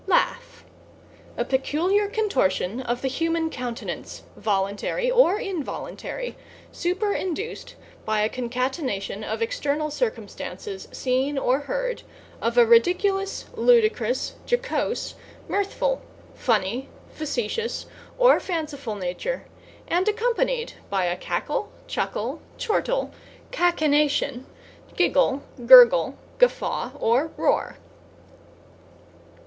=LAUGH= A peculiar contortion of the human countenance, voluntary or involuntary, superinduced by a concatenation of external circumstances, seen or heard, of a ridiculous, ludicrous, jocose, mirthful, funny, facetious or fanciful nature and accompanied by a cackle, chuckle, chortle, cachinnation, giggle gurgle, guffaw or roar.